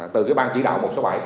từ cái bang chỉ đạo một trăm linh bảy